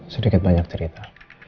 sedikit banyak cerita